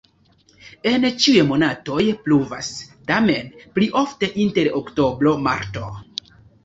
En ĉiuj monatoj pluvas, tamen pli ofte inter oktobro-marto.